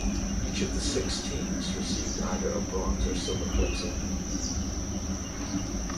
Each of the six teams received either a bronze or silver placing.